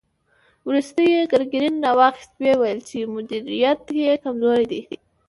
وروسته يې ګرګين را واخيست، ويې ويل چې مديريت يې کمزوری دی.